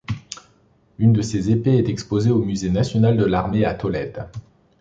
Une de ses épées est exposée au musée national de l'armée à Tolède.